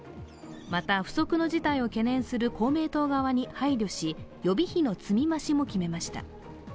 また、不測の事態を懸念する公明党側に配慮し予備費の積み増しも決めました。